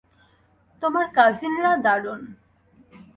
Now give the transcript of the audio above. তোমার কাজিনরা দারুণ।